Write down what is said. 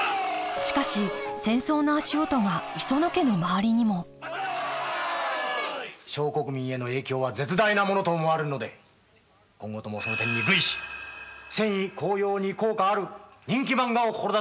しかし戦争の足音が磯野家の周りにも小国民への影響は絶大なものと思われるので今後ともその点に類し戦意高揚に効果ある人気漫画を志すようここに注意しておく！